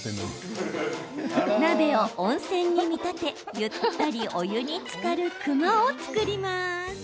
鍋を温泉に見立て、ゆったりお湯につかる熊を作ります。